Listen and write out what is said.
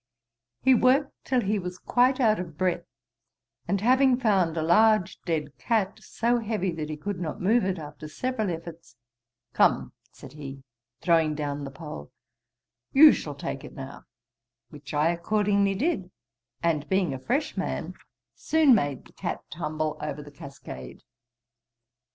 He worked till he was quite out of breath; and having found a large dead cat so heavy that he could not move it after several efforts, 'Come,' said he, (throwing down the pole,) 'you shall take it now;' which I accordingly did, and being a fresh man, soon made the cat tumble over the cascade.